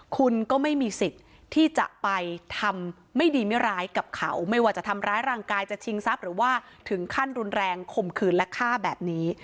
คุณก็ไม่มีสิทธิ์ที่จะไปทำไม่ดีไม่ร้ายกับเขาไม่ว่าจะทำร้ายร่างกายจะชิงทรัพย์หรือว่าถึงขั้นรุนแรงข่มขืนและฆ่าแบบนี้